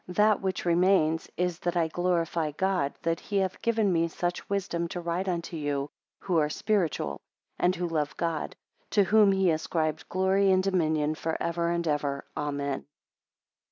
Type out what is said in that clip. That which remains is, that I glorify God that he hath given me such wisdom to write unto you who are spiritual, and who love God: to whom (be ascribed) glory and dominion for ever and ever. Amen.)